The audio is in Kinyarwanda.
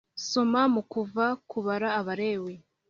Soma mu Kuva kubara abalewi